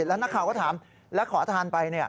แล้วนักข่าวก็ถามแล้วขอทานไป